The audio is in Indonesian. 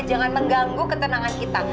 jangan mengganggu ketenangan kita